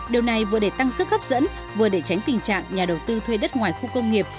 điều này vừa để tăng sức hấp dẫn vừa để tránh tình trạng nhà đầu tư thuê đất ngoài khu công nghiệp